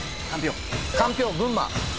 かんぴょう群馬。